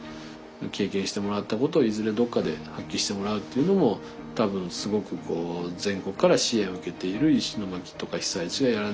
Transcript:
経験してもらったことをいずれどっかで発揮してもらうというのも多分すごくこう全国から支援を受けている石巻とか被災地がやらなきゃいけないことだろうと思うんですね。